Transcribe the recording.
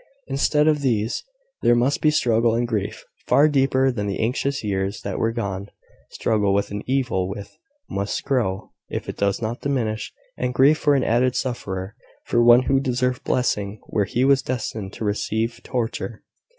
Instead of these, there must be struggle and grief, far deeper than in the anxious years that were gone; struggle with an evil which must grow if it does not diminish, and grief for an added sufferer for one who deserved blessing where he was destined to receive torture.